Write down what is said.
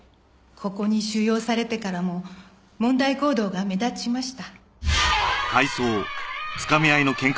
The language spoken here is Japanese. ここに収容されてからも問題行動が目立ちました。